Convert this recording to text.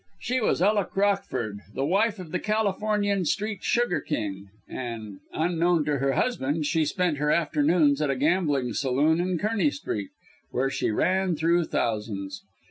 She was Ella Crockford, the wife of the Californian Street Sugar King, and, unknown to her husband, she spent her afternoons at a gambling saloon in Kearney Street, where she ran through thousands.